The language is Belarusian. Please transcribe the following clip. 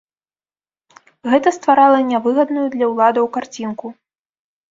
Гэта стварала нявыгадную для ўладаў карцінку.